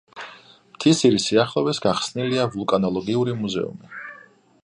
მთისძირის სიახლოვეს გახსნილია ვულკანოლოგიური მუზეუმი.